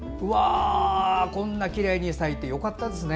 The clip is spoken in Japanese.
こんなきれいに咲いてよかったですね。